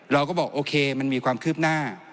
เราก็บอกโอเคมันมีความคืบหน้า